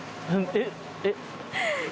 えっ？